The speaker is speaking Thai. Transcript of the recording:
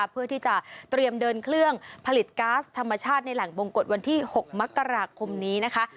เพื่อที่จะเตรียมเดินเครื่องผลิตก๊าซธรรมชาติในแหล่งบงกฎวันที่๖มกราคมนี้นะคะ